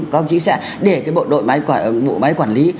các đồng chí sẽ để cái bộ đội máy quản lý